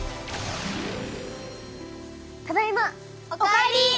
ただいま！お帰り！